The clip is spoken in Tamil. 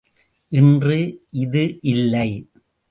இன்று இது இல்லை!